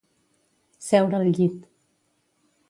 Seure al llit.